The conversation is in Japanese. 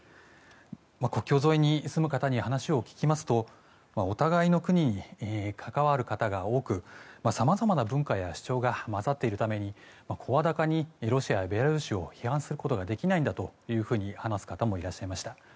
国境沿いに住む方に話を聞きますとお互いの国に関わる方が多くさまざまな文化や主張が混ざっているために声高にロシアやベラルーシを批判することができないんだと話す方もいらっしゃいました。